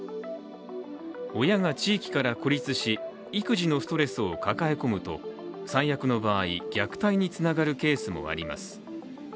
親が地域から孤立し、育児のストレスを抱え込むと最悪の場合、虐待につながるケースもあります。